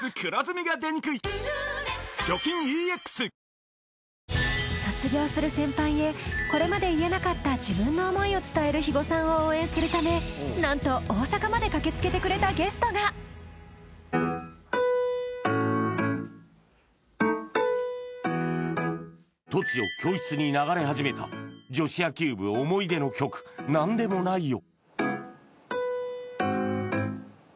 清々堂々清らかなる傑作「伊右衛門」卒業する先輩へこれまで言えなかった自分の思いを伝える肥後さんを応援するため何と大阪まで駆けつけてくれたゲストが突如教室に流れ始めた女子野球部思い出の曲「なんでもないよ、」